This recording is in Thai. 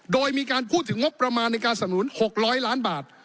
โดยมีการพูดถึงงบประมาณในการสนุน๖๐๐ล้านบาท